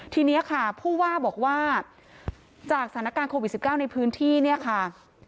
ทีนี้ค่ะผู้ว่าบอกว่าจากสถานการณ์โควิด๑๙ในพื้นที่เนี่ยค่ะ